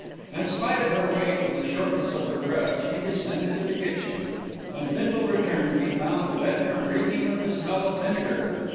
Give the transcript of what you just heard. In spite of her weight and the shortness of her breath, she descended to the kitchen. When Bindle returned, he found the bedroom reeking with the smell of vinegar.